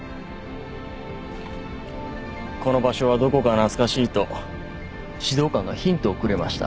この場所はどこか懐かしいと指導官がヒントをくれました。